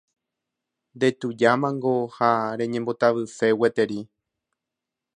ndetujámango ha reñembotavyse gueteri